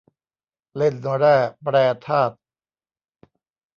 เล่นแร่แปรธาตุ